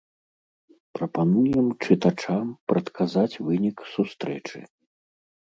Прапануем чытачам прадказаць вынік сустрэчы.